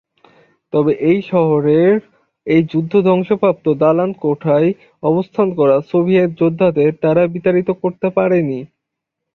তবে শহরের এই যুদ্ধে ধ্বংসপ্রাপ্ত দালান কোঠায় অবস্থান করা সোভিয়েত যোদ্ধাদের তারা বিতাড়িত করতে পারেনি।